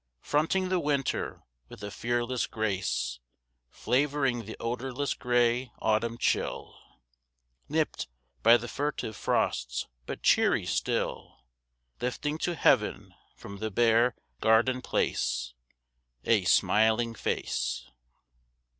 Fronting the winter with a fearless grace, Flavoring the odorless gray autumn chill, Nipped by the furtive frosts, but cheery still, Lifting to heaven from the bare garden place A smiling face.